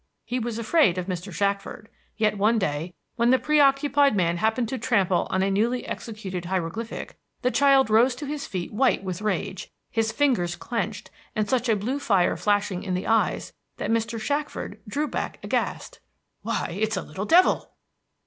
He was afraid of Mr. Shackford, yet one day, when the preoccupied man happened to trample on a newly executed hieroglyphic, the child rose to his feet white with rage, his fingers clenched, and such a blue fire flashing in the eyes that Mr. Shackford drew back aghast. "Why, it's a little devil!"